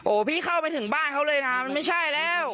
พี่เข้าไปถึงบ้านเขาเลยนะมันไม่ใช่แล้ว